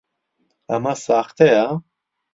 ئەمە ساختەیە؟